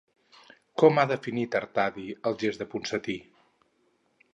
Com ha definit Artadi el gest de Ponsatí?